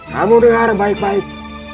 kamu dengar baik baik